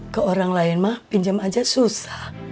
ke orang lain mah pinjam aja susah